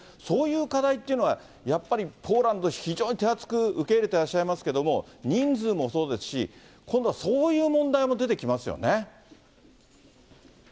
そういう課題っていうのは、やっぱりポーランド、非常に手厚く受け入れていらっしゃいますけれども、人数もそうですし、今度はそそうですね。